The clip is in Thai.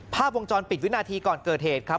ภาพวงจรปิดวินาทีก่อนเกิดเหตุครับ